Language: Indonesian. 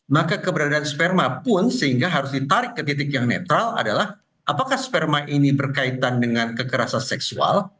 maka keberadaan sperma pun sehingga harus ditarik ke titik yang netral adalah apakah sperma ini berkaitan dengan kekerasan seksual